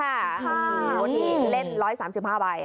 ค่ะโอ้โหนี่เล่น๑๓๕ใบ